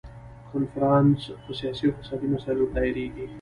کنفرانس په سیاسي او اقتصادي مسایلو دایریږي.